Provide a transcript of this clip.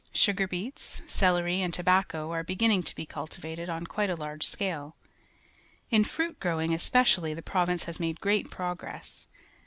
S ugar beets, celery , and tobacco are beginning to be cultivated on quite a large scale. In fruit growing, especially, the province has made great progress.